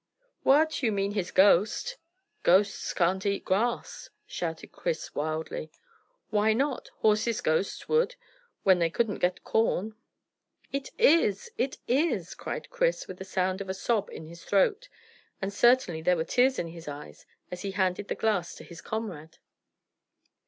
"What! You mean his ghost." "Ghosts can't eat grass," shouted Chris wildly. "Why not? Horses' ghosts would when they couldn't get corn." "It is! It is!" cried Chris, with a sound like a sob in his throat, and certainly there were tears in his eyes as he handed the glass to his comrade.